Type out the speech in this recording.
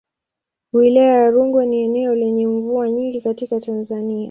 Wilaya ya Rungwe ni eneo lenye mvua nyingi katika Tanzania.